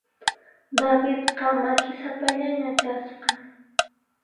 Davidqa makisapallaña kasqa.